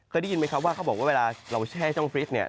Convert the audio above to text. เค้าได้ยินมั้ยครับว่าเค้าบอกว่าเวลาเราแช่ช่องฟลิชเนี่ย